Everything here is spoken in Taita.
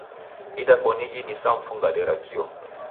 Idakoniji ni saa mfungade ra kio.